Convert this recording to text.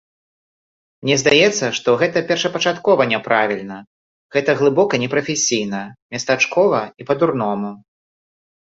Мне здаецца, што гэта першапачаткова няправільна, гэта глыбока непрафесійна, местачкова і па-дурному.